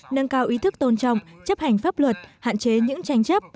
nâng cao ý thức tôn trọng chấp hành pháp luật hạn chế những tranh chấp